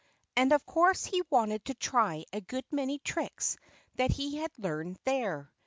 And of course he wanted to try a good many tricks that he had learned there.